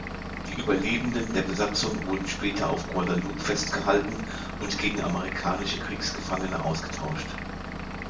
Die Überlebenden der Besatzung wurden später auf Guadeloupe festgehalten und gegen amerikanische Kriegsgefangene ausgetauscht.